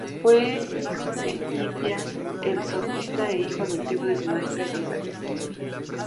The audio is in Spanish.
Fue hijo de Hipias el sofista e hijo adoptivo de su maestro Isócrates.